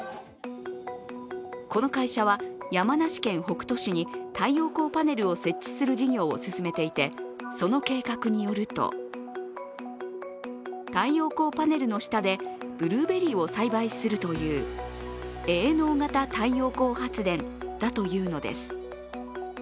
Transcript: この会社は山梨県北杜市に太陽光パネルを設置する事業を進めていて、その計画によると太陽光パネルの下でブルーベリーを栽培するという営農型太陽光発電だというのです。